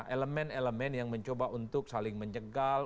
elemen elemen yang mencoba untuk saling menjegal